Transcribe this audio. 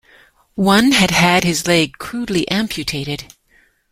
One had had his leg crudely amputated.